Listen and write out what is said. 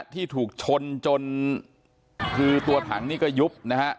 ที่ถูกชนจนคือตัวถังนี่ก็ยุบนะฮะ